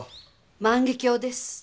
「万華鏡」です。